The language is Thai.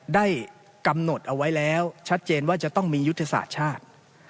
ได้กำหนดเอาไว้แล้วชัดเจนว่าจะต้องมียุทธศาสตร์ชาติ